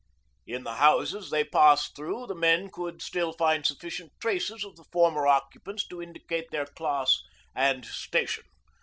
In the houses they passed through the men could still find sufficient traces of the former occupants to indicate their class and station.